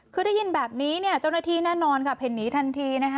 คือถ้ายินแบบนี้เจ้าหน้าที่แน่นอนเห็นหนีทันที